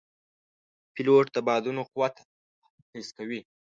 پیلوټ د بادونو قوت حس کوي.